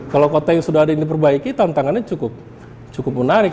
kalau kota yang sudah ada yang diperbaiki tantangannya cukup menarik